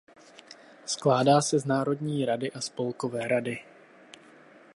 Skládá se z Národní rady a Spolkové rady.